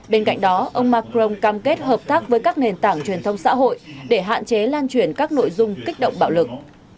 bên cạnh đó ông macron cam kết hợp tác với các nền tảng truyền thông xã hội để hạn chế lan truyền các nội dung kích động bạo lực